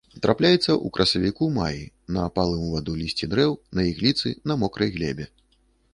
Трапляецца ў красавіку-маі на апалым у ваду лісці дрэў, на ігліцы, на мокрай глебе.